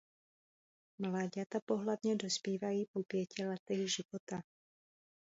Mláďata pohlavně dospívají po pěti letech života.